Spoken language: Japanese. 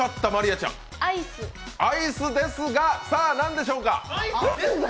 アイスですが、さあ、何でしょうか？